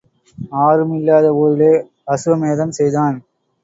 ஆரும் இல்லாத ஊரிலே அசுவமேதம் செய்தான்.